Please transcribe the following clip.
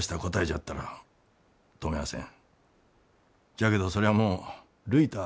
じゃけどそりゃあもうるいたあ